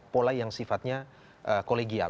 pola yang sifatnya kolegial